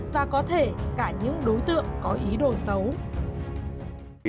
và có thể cả những đối tượng có ý đồ xấu